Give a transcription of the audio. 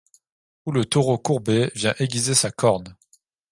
Où le taureau courbé vient aiguiser sa corne